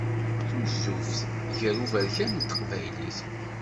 Tuzzuft gar uberkan d teqbaylit.